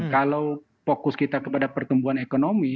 kalau fokus kita kepada pertumbuhan ekonomi